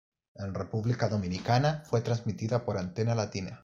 En República Dominicana, fue transmitida por Antena Latina.